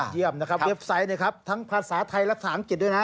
เยี่ยมนะครับเว็บไซต์ทั้งภาษาไทยและศาลมิตรด้วยนะ